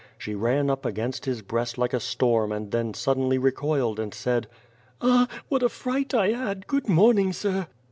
She ran up against his breast like a storm and then suddenly recoiled and said: "Ah! What a fright 1 had! Good morning, sir!"